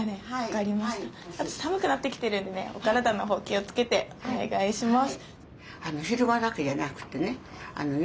あとさむくなってきてるんでねお体のほう気をつけておねがいします。